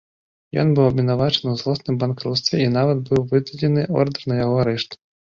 Ён быў абвінавачаны ў злосным банкруцтве і нават быў выдадзены ордар на яго арышт.